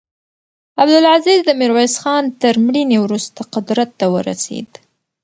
عبدالعزیز د میرویس خان تر مړینې وروسته قدرت ته ورسېد.